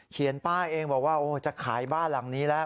เขียนป้าเองบอกว่าจะขายบ้านหลังนี้แล้ว